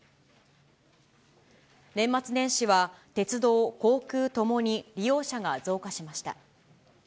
年末年始は、鉄道、航空ともに利用者が増加しました。